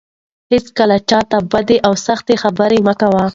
هيڅکله چا ته بده او سخته خبره مه کوه.